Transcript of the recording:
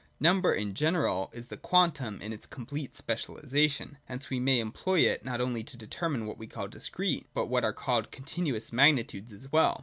Number, in general, is the quantum in its complete spe cialisation. Hence we may employ it not only to determine what we call discrete, but what are called continuous magni tudes as well.